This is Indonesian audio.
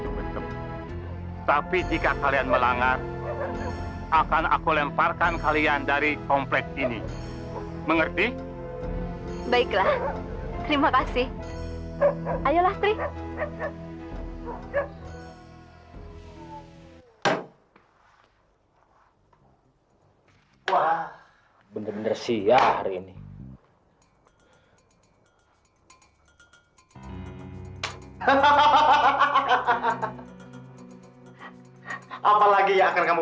coba perlihatkan selfie tiket itu